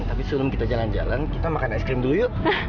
tapi sebelum kita jalan jalan kita makan es krim dulu yuk